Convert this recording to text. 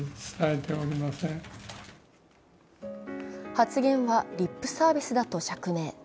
発言はリップサービスだと釈明。